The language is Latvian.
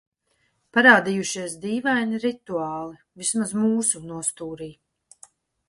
Parādījušies dīvaini rituāli. Vismaz mūsu nostūrī.